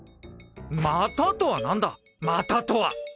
「また」とは何だ「また」とは！